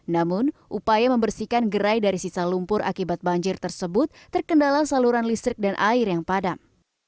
namun upaya membersihkan gerai dari sisa lumpur akibat banjir tersebut terkendala saluran listrik dan air yang padam